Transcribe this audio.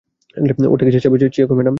ওটা কিসের চাবি, চিয়োকো ম্যাডাম?